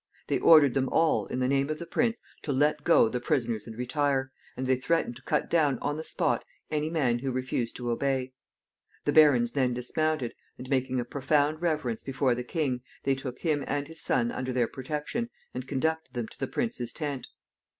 They ordered them all, in the name of the prince, to let go the prisoners and retire, and they threatened to cut down on the spot any man who refused to obey. The barons then dismounted, and, making a profound reverence before the king, they took him and his son under their protection, and conducted them to the prince's tent.